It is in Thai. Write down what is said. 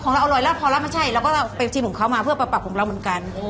เราอร่อยแล้วพอแล้วไม่ใช่เราก็ไปชิมของเขามาเพื่อปรับของเราเหมือนกัน